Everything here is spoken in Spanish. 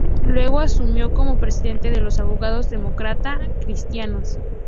Luego asumió como presidente de los abogados demócrata cristianos.